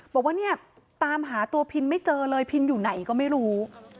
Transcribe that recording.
บอกว่าเนี่ยตามหาตัวพินไม่เจอเลยพินอยู่ไหนก็ไม่รู้